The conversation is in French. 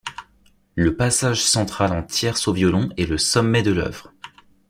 Le passage central en tierces au violon est le sommet de l'œuvre.